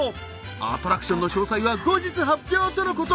アトラクションの詳細は後日発表とのこと。